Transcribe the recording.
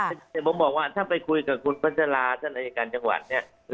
แต่ผมบอกว่าถ้าไปคุยกับคุณพัชราท่านอายการจังหวัดเนี่ย